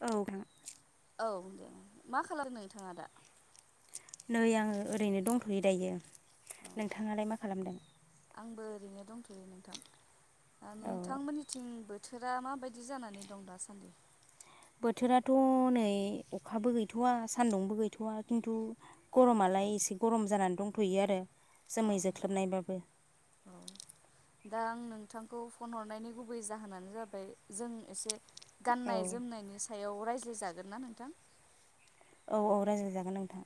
औ औ दे मा खालाम नोंथाङा दा? नै आङो ओरैनो दंथ'यो दायो औ नोंथाङालाय मा खालामदों? आंबो ओरैनो दंथ'यो नोंथां। औ नोंथां मोननिथिं बो बोथोरा माबायदि जानानै दं दासान्दै बोथोराथ' नै अखाबो गैथ' आ सान्दुंबो गैथ'वा खिन्थु गरमालाय एसे गरम जानानै दंथ'यो आरो औ जोमै जोख्लोबनायबाबो। औ दा आं नोंथांखौ फन हरनायनि गुबै जाहोनानो जाबाय जों एसे औ गाननाय जोमनायनि सायाव रायज्लायजागोन ना नोंथां? औ औ रायज्लाय जागोन नोंथां।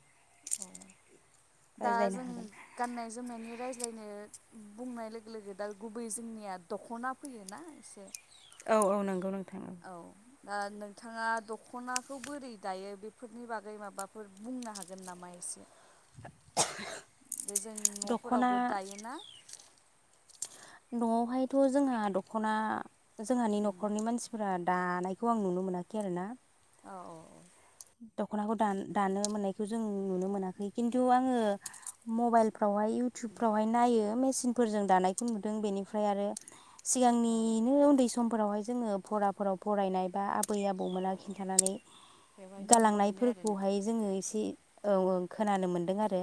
दा रायज्लायनो जों हागोन गाननाय जोमनायनि रायज्लायनो बुंनाय लोगो लोगो दा गुबै जोंनिया दख'ना फैयो ना एसे औ औ नंगौ नों औ आ नोंथाङा दख'नाखौ बोरै दायो बेफोरनि बागै माबाफोर बुंनो हागोन नामा एसे? [inaudible] जों दख'ना न'फोरावबो दायोना? न'आव हायथ' जोंहा दख'ना जोंहानि उम न'खरनि मानसिफोरा दानायखौ आं नुनो मोनाखै आरो ना औ औ औ दख'नाखौ दा-दानो मोननायखौ जों नुनो मोनाखै खिन्थु आङो मबाइल फ्रावहाय इउटउबफ्रावहाय नायो। सिनफोरजों दानायखौ नुदों बेनिफ्राय आरो औ सिगांनिनो उन्दै सम फोरावहाय जोङो फराफोराव फरायनाय बा बै औ आबौमोना खिन्थानानै बेवहाय नुनो मोनो आरोना गालांनायफोरखौहाय जोङो एसे जि औ औ खोनानो मोनदों आरो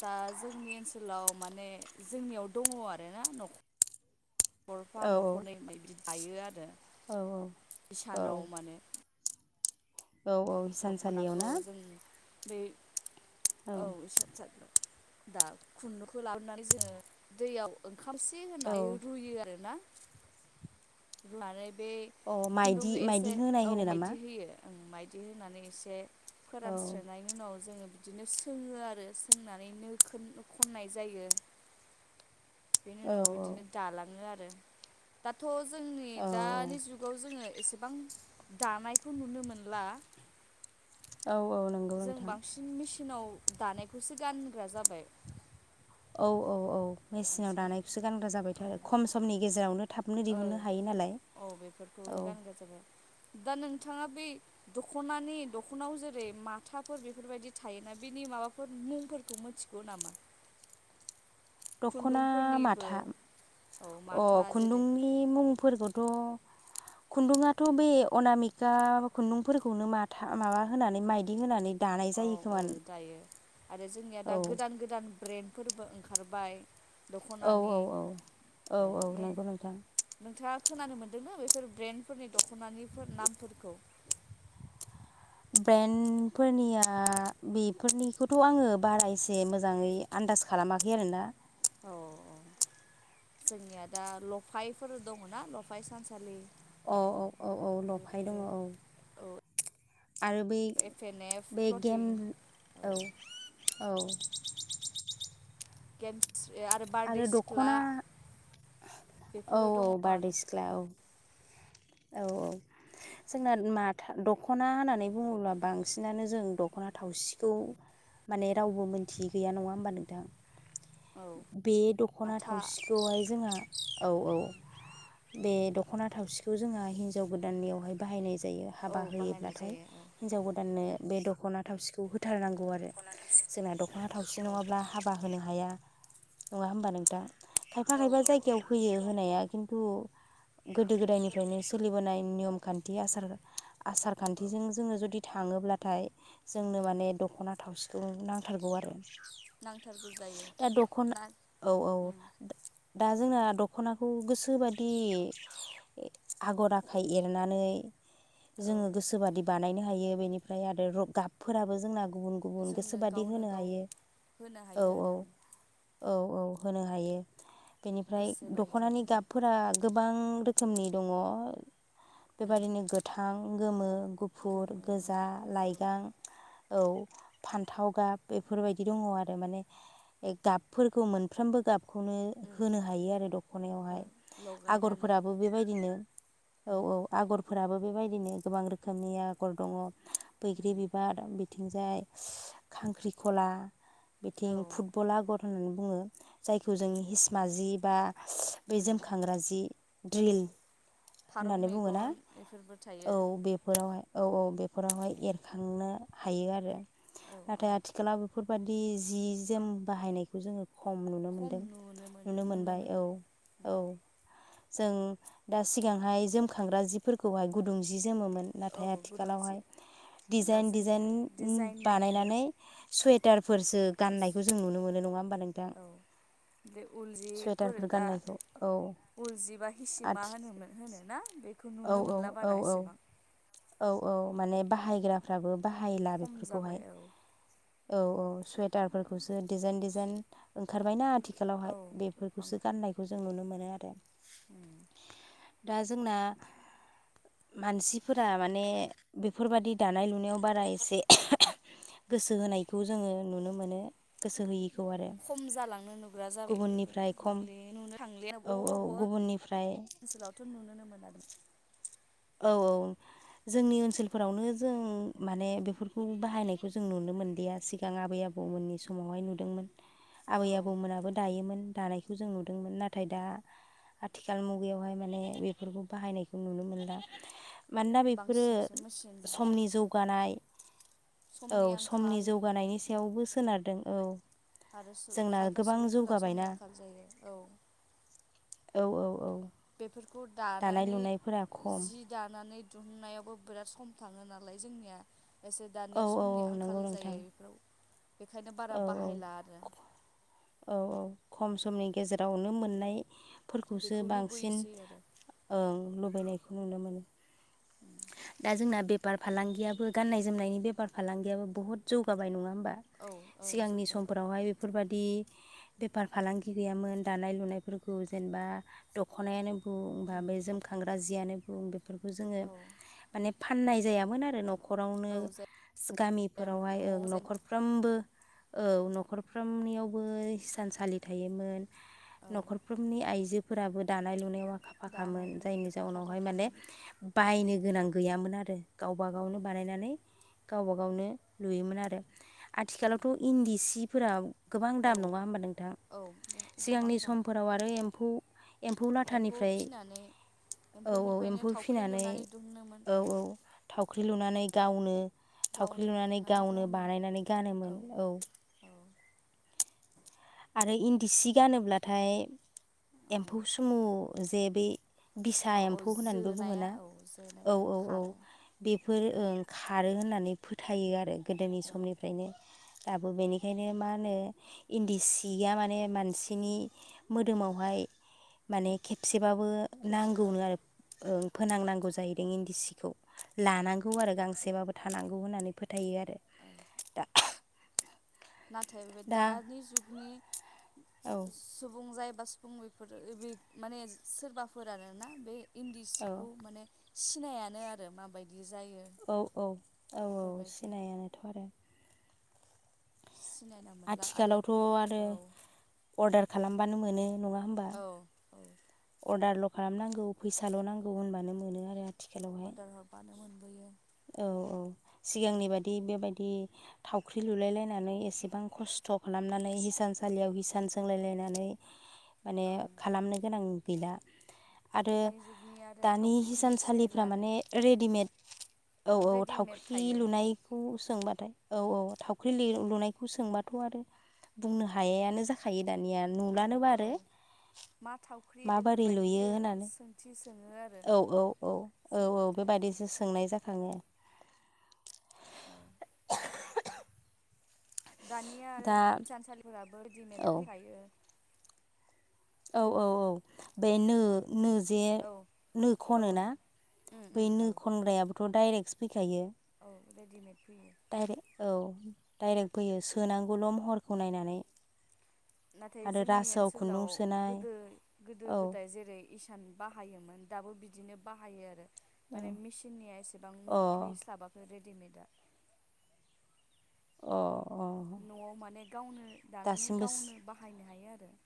दा जोंनि ओनसोलाव माने जोंनियाव दङ आरोना न'खर फा औ न'खरनै बायदि थायो आरो औ औ इसानाव मानो औ औ हिसानसालियाव दखनाखौ ना जों बे औ इसान सालियाव। दा खुन्दुंखौ लाबोनानै जोंङो दैयाव खारसे औ होनानै रुयो आरो ना रुनानै बे औ माइदि खुन्दुंखौ माइदि एसे होनाय औ होनो नामा मायदि होयो। ओ माइदि दि होनानै एसे औ फोरानस्रोनायनि उनाव जोङो बिदिनो सोङो आरो सोंनानै नो खोन खननाय जायो। बेनि औ उनाव बिदिनो दालाङो आरो। दाथ' जोंनि औ दानि जुगाव जोङो एसेबां दानायखौ नुनो मोनला। औ औ नोंगौ नोंथां। नाव दानायखौसो गानग्रा जाबाय। औ औ औ। मेसिनाव बांसिन दानायखौसो गानग्रा जाबायथ' औ आरो खम समनि गेजेरावनो थाबनो ओ दिहुननो हायो नालाय अ औ बेफोरखौनो गानग्रा जाबाय। दा नोंथाङा बेै दख'नानि दख'नायाव जेरै माथाफोर बेफोरबायदि थायोना बेनि माबाफोर मुंफोरखौ मिथिगौ नामा? दख'ना खुन्दुंफोरनिबो माथा औ अ माथा जेरै खुन्दुंनि मुंफोरखौ थ' खुन्दुंआथ' बे अनामिका खुन्दुंफोरखौनो माथा माबा होनानै मायदि होनानै दानाय औ जायो खोमा औ दायो आरो जोंनिया औ दा गोदान गोदान ब्रेन्ड फोरबो ओंखारबाय औ औ दख'नानि औ औ ओ औ नों नोंगौ नोंथां। नोंथाङा खोनानो मोन्दोंना बेफोर ब्रेन्डफोरनि दखनानिफोर नामफोरखौ ब्रेन्डफोरनिया बेफोरनिखौथ' आंङो बारा एसे मोजाङै आन्दास खालामाखै आरोना। औ औ जोंनिया दा लफायफोर दङ ना लफाय सानसालि। औ औ औ औ लफाय दङ बेफोरो औ। औ आरो बै एफ एन एफ बे गेम क्लटिं औ। औ। [unintelligible] आरो बारदै सिख्ला। औ बेफोरो औ दङ बारदै आरो सिख्ला औ। [inaudible] औ औ जोंना माथा दख'ना होननानै बुङोब्ला बांसिनानो जों दख'ना थावसिखौ माने रावबो मोनथियै गैया नङा होमबा नोंथां औ बे दख'ना माथा थावसिखौहाय जोंहा औ औ बे दख ख'ना थावसि खौ जोंहा हिनजाव गोदाननियावहाय बाहायनाय जायो। जायो औ हाबा बाहायनाय होयोब्लाथाय जायो औ हिनजाव गोदाननो। बे दख'ना थावसिखौ हो होथारनांगौ आरो दख'ना थावसि जोंना दख'ना थावसि औ नङाब्ला हाबा होनो हाया नङा होमबा नोंथां। खायफा औ खायफा औ औ जायगायाव होयो नंगौ होनाया खिन्थु गोदो गोदायनि खान्थि आसार आसार खान्थिजों जोङो जुदि थाङोब्लाथाय जोंनो उम माने दख'ना थावसि [unintelligible] नांथारगौ आरो। नांथारगौ जायो दा दख'ना ना औ औ। दा जोंना दख'नाखौ गोसोबादि आगर आखाइ एरनानै औ जोङो गोसोबादि बानायनो हायो बेनिफ्राय आरो गाबफोराबो जोंना गुबुन गुबुन जोंनो गोसोबादि गावनो होनो गाव हायो होनो औ हायो औ। आरो औ औ होनो हायो। बेनिफ्राय गोसो बायदि दख'नानि ओं गाबफोरा गोबां रोख रोखोमनि दङ। उम बेबायदिनो गोथां। गोमो गुफुर गोमो ओं गोजा गुफुर लाइगां औ फान्थाव गाब बेफोरबायदि दङ आरो माने गाबफोरखौ मोनफ्रोमबो गाब। खौनो उम होनो हायो आरो ओ दख'नायावहाय लगायनानै आगरफोरा बेबायदिनो औ उम औ आगर फोराबो बेबायदिनो गोबां रोखोमनि आगर दङ। उम बैग्रि बिबार थिंजाय खांख्रिखला बिथिं औ फुटबल आगर [unintelligible] जायखौ जों हिसमा जि बा बे उम जोमखांग्रा जि औ फारौ होननानै बुङोना मेगन बेफोरबो औ थायो औ उम बेफोरावहाय एरखार थांनो हायो आरो औ औ नाथाय आथिखालावबो बेफोरबायादि जि जोम बाहायनायखौ जोङो खम नुनो खम मोनदों मोनो नुनो मोनबाय औ मोनला उम औ जों दा सिगांहाय जोमखांग्रा जिफोरखौहाय गुदुं जि जोमोन आ मोन औ नाथाय गुदुं जि आथिखालावहाय दा डिजाइन डिजाइन जोंनिया डिजाइननि आरो बानायनानै सुवेटार फोरसो औ गान्नायखौ जों नुनो मोनो नङा होमबा नोंथां बे उल सुवेटारफोर गान्नायखौ औ जिबा हिसि मा आथि होनोम होनो ना बे खौ औ नुनो मोनला औ बारा औ एसेबां औ औ माने बाहायग्राफ्राबो बाहायला खम बेफोरखौहाय जाबाय औ औ औ सुवेटारफोरखौसो डिजाइन डिजाइन ओंखारबायना औ आथिखालावहाय बां बेफोरखौसो गाननायखौ जों नुनो मोनो आरो [unintelligible] दा जोंना मानसि फोरा माने बेफोरबादि दानाय लुनायाव बारा एसे गोसो होनायखौ जोङो नुनो मोनो गोसो होयि खम जालांनो नुग्रा जाबाय बेफोर गुबुननिफ्राय खम नुनो थांलिया औ अबावबा औ अबावबा [unintelligible] गुबुननिफ्राय ओनसोलावथ' नुुनोनो मोना बेखौ औ औ जोंनि ओनसोलफोरावनो जों माने बेफोरखौ बाहायनायखौ जों नुनो मोनदिया सिगां आबै आबौमोननि समावहाय नुदोंमोन। आबै औ आबौमोनाबो दायोमोन। दानायखौ जों नुदोंमोन नाथाय दा आथिखाल मुगायावहाय माने बेफोरखौ बाहायनायखौ नुनो मोनला। मानोना बेफोरो बांसिनसो मेचिन आरो समनि जौगानाय औ समनि जौगानायनि सायावबो स सोनारदों औ आरो सु जोंना खायफा गोबां सुबुंफोरा समनि जौगाबायना आंखाल जायो औ औ औ औ बेफोर खौ दानाय दानानै लुनायफोरा खम जि दानानै दिहुननायावबो बिराद सम थाङो नालाय जोंनिया एसे औ दानिया औ समनि औ नंगौ आंखाल नोंथां जायो बेफोराव बेखायनो बारा औ बाहायला आरो औ औ औ खम समनि गेजेरावनो मोननाय फोरखौसो बेखौ बांसिन लुबैसै आरो ओ ल [unintelligible] नुनो मोनो दा जोंना बेफार फालांगियाबो गान्नाय जोमनायनि बेफार फालांगियाबो बहुत जौगाबाय नङा होम बा औ औ सिगांनि जौगाबाय समफोरावहाय बेफोरबा दि बेफार फालांगि गैयामोन दानाय लुनायफोरखौ जेनेबा दखनायानो [unintelligible] ओमबा बे जोमखांग्रा जि जियानो बुं बेफोरखौ जोङो औ माने फाननाय जायामोन आरो नख रावनो औ जायामोन गामिफोरावहाय ओं न' जों नखरफ्रोमबो औ नखरफ्रोमनियावबो हिसानसालि थायोमोन औ नखरफ्रोमनि आइजो फोराबो दानाय लुनायाव आखा फाखामोन दानाय लुनाय जायनि आखा जाउनावहाय माने फाखामोन बायनो गोनां गैयामोन आरो गावबा औ गावनो बानायनानै गावबा गावनो लुयोमोन आरो आथिखालावथ इन्दि सि फोराव गोबां औ दाम नङा होमबा नोंथां औ गोबां सिगांनि दाम समफोराव आरो एम्फौ एम्फौ फिनानै औ औ एम्फौ एम्फौनिफ्रायनो थावख्रि फिनानै लुनानै दिहुनोमोन औ औ थावख्रि लुनानै गावनो थावख्रि गावनो लुनानै दिहुननानै गावनो बानायनानै गानोमोन औ औ आरो इन्दि सि गानोब्लाथाय एम्फौ ओं सुमु जे बे बिसा औ औ एम्फौ होननानैबो बुङो जोनाया ना औ औ जोनाया औ औ खारो बे बेफोर ओं खारो होननानै फोथायो आरो गोदोनि औ समनिफ्रायनो दाबो बेनिखायनो मा होनो इन्दि सि या माने मानसिनि मोदोमावहाय माने खेबसे बाबो खेबसे औ नांगौनो आरो ओं फोनांनांगौ जाहैदों इन्दि सिखौ लानांगौ आरो गांसेबाबो थानांगौ होननानै फोथायो आरो औ दा नाथाय [unintelligible] दा दानि जुगनि औ सुबुं जाय बा सुफुं बेफोर बि माने सोरबाफोर आरोना बे इन्दि औ सिखौ माने सिनायानो आरो माबाय औ औ औ औ बेफोरबायदि सिनायानोथ' आरो। सिनायना मोनला आरो औ। अर्दार खालामबानो मोनो नङा होमबा? [inaudible] दारल' खालामनांगौ फैसाल' नांगौ होनबानो मोनो आरो आथिखालावहाय अर्दार हरबानो मोनबोयो। औ औ सिगांनि बादि बेबायदि थावख्रि लुलाय लायनानै एसेबां खस्थ' खालामनानै हिसानसालियाव हिसान सोंलायलायनानै माने ओं खालामनो गोनां गैला। आरो दानि जुगनि आरो दानि थावख्रिखौनो सिनायला हिसानसालिफ्रा आरो माने रेदिमेद औ औ रेडिमेड थावख्रि थायो लुनायखौ सोंबाथाय औ औ थावख्रि लि लुनायखौ सोंबाथ' आरो बुंनो हायायानो जाखायो। दानिया औ नुलानोबा आरो। औ मा थावख्रि माबोरै लुयो बेफोरबायदिसो होनानै सोंथि सोङो आरो औ औ औ औ औ सोंबाथाय बेबादिसो सोंनाय जा आङो। औ दानिया आरो दा थानसालिफोराबो रेदिमेद औ फैखायो। औ औ औ बेनो नोजे औ नो औ ख'नो ना उम बै उम औ नो खनग्रायाबोथ' दाइरेगसो फैखायो। रेदिमेद फै दाइरेक औ दाइरेक फैयो सोनांगौल' महरखौ नायनानै। नाथाय आरो जोंनि रासोआव खुन्दुं ओनसोलाव सोनाय गोदो गोदो औ गोदाय जेरै इसान बाहायोमोन दाबो बिदिनो बाहायो आरो। औ माने मेसिननिया एसेबां अ मोनफैस्लाबाखैरे। दिमेदा। अह। न'आव माने गावनो दानानै दासिमबो गावनो बाहायनो हायो आर [inaudible]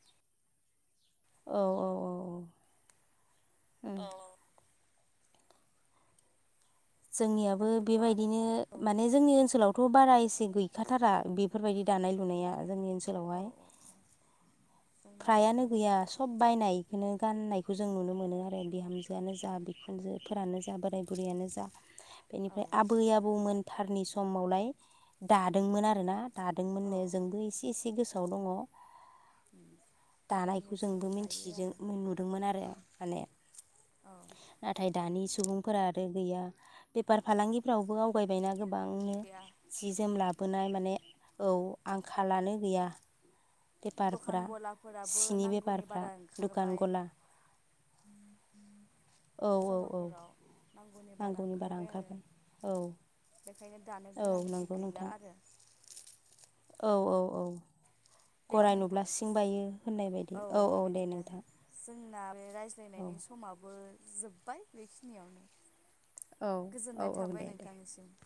औ औ औ औ ओम जोंनियाबो दानि जुगाव आरो बेबायदिनो औ माने जोंनि ओनसोलाव थ' बारा एसे गैखाथारा बेफोरबायदि दानाय लुनाया जोंनि औ ओनसोलावहाय औ जोंनि फ्रायानो ओनसोलाव एसे गैया सब बायनाय बेखोनो गाननायखौ जों नुनो मोनो आरो बिहामजोआनो जा बिखुनजोफोरानो जा बोराय बुरैयानो जा औ बेनिफ्राय आबै आबौमोन थारनि समावलाय दादोंमोन आरोना औ औ दादोंमोननो जोंबो इसे एसे गोसो दाव दङ जोंनि दानायखौ ओनसोलाव जोंबो मिन्थि दायो जों आरो नुदोंमोन आरो माने औ नाथाय दानि जु सुबुंफोरा आरो गैया बेफार फालांगिफ्रावबो आवगायबायना गोबां गैया गोबांनो सि जोम लाबो बोनाय माने औ आंखालानो गैया दखान बेफारफ्रा गलाफोराबो सिनि नांगौनि बारा बेफारफ्रा दुखान ओंखारबाय गला औ औ औ सहरफोराव नांगौनि बारा ओंखारबाय आरो बेखायनो दानो औ गोनांथि नंगौ गैला नोंथां आरो औ औ औ गराय नोंथां नुब्ला सिं बायो होननाय बायदि औ दे बेबायदिनो नोंथां जोंना बे औ रायज्लायनायनि समाबो जोब्बाय बेखिनियावनो औ औ गोजोननाय औ थाबाय दे दे नोंथांनिसिम